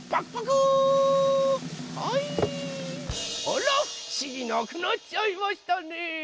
あらふしぎなくなっちゃいましたね。